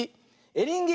エリンギ。